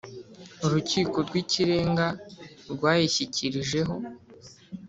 Urukiko rw ikirenga rwayishyikirijeho